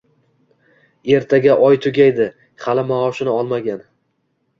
Ertaga oy tugaydi, hali maoshini olmagan